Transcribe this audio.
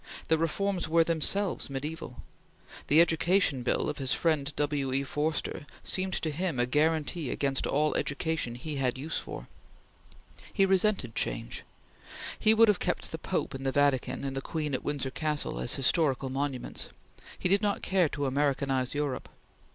The reforms were themselves mediaeval. The Education Bill of his friend W. E. Forster seemed to him a guaranty against all education he had use for. He resented change. He would have kept the Pope in the Vatican and the Queen at Windsor Castle as historical monuments. He did not care to Americanize Europe.